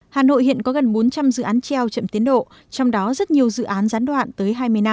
hà nội hiện có gần bốn trăm linh dự án treo chậm tiến độ trong đó rất nhiều dự án gián đoạn tới hai mươi năm